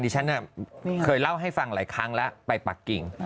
ฉันเคยเล่าให้ฟังหลายครั้งแล้วไปปากกิ่ง